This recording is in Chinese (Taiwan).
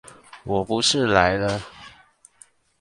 我不是來了！